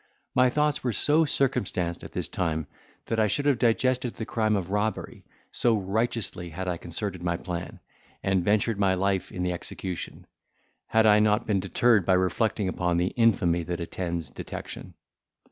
My thoughts were so circumstanced at this time, that I should have digested the crime of robbery, so righteously had I concerted my plan, and ventured my life in the execution, had I not been deterred by reflecting upon the infamy that attends detection.